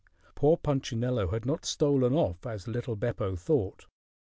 Poor Punchinello had not stolen off, as little Beppo thought.